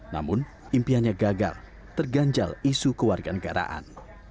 namun impiannya gagal terganjal isu kewarganegaraan